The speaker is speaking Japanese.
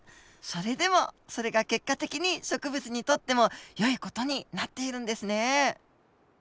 それでもそれが結果的に植物にとってもよい事になっているんですね。